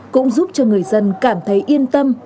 cũng giúp cho người dân cảm thấy yên tâm